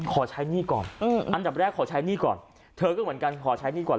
ขอใช้หนี้ก่อนอันดับแรกขอใช้หนี้ก่อนเธอก็เหมือนกันขอใช้หนี้ก่อน